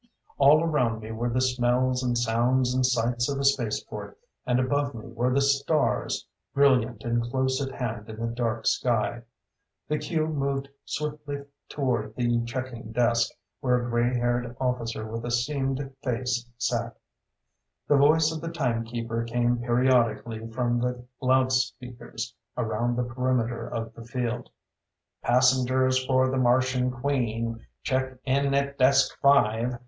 All around me were the smells and sounds and sights of a spaceport, and above me were the stars, brilliant and close at hand in the dark sky. The queue moved swiftly toward the checking desk, where a gray haired officer with a seamed face sat. The voice of the timekeeper came periodically from the loudspeakers around the perimeter of the field. "_Passengers for the Martian Queen, check in at desk five.